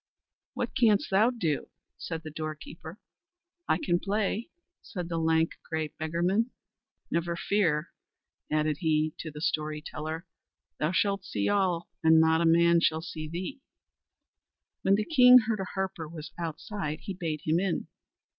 "What canst thou do?" said the doorkeeper. "I can play," said the lank, grey beggarman. "Never fear," added he to the story teller, "thou shalt see all, and not a man shall see thee." When the king heard a harper was outside he bade him in.